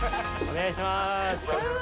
お願いします。